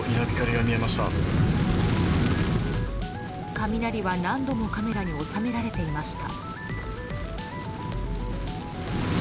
雷は何度もカメラに収められていました。